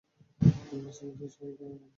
আর সময় শেষ হয়ে এলে আরাম করবে।